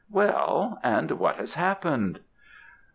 "'Well, and what has happened?'